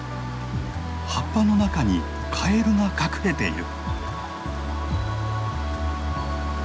葉っぱの中にカエルが隠れている。